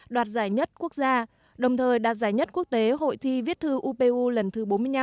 đoạt giải nhất quốc gia đồng thời đạt giải nhất quốc tế hội thi viết thư upu lần thứ bốn mươi năm